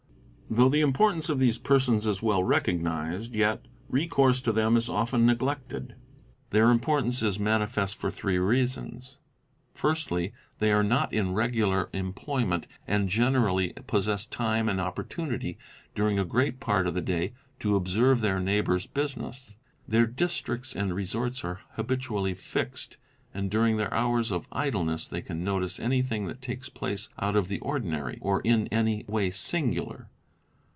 Though the importance of these persons is well recognised yet recourse to them is often neglected. Their importance is manifest for three reasons: firstly, they are not in regular employment and generally possess time and opportunity during a great part of the day to observe their neighbour's business. Their districts and resorts are habitually fixed and during their hours of idleness they can notice anything that takes place out of the ordinary or in any way singular.